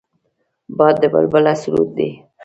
باد د بلبله سرود دی